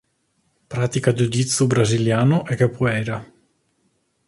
Pratica jiu jitsu brasiliano e capoeira.